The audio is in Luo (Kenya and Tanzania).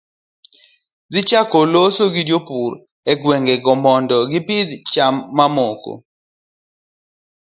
Dhi chako loso gi jopur egwengego mondo gipidh cham mamoko